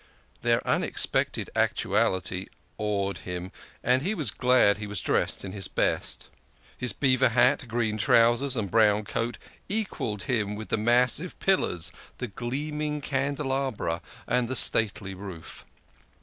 Their unex pected actuality awed him, and he was glad he was dressed in his best. His beaver hat, green trousers, and brown coat equalled him with the massive pillars, the gleaming cande labra, and the stately roof.